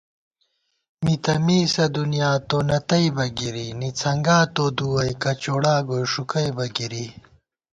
مِی تہ مِیسہ دُنیا، تو نہ تئیبہ بہ گِری ✿ نِڅَھنگا تو دُوَئی، کچوڑا گوئی ݭُکَئیبہ گِری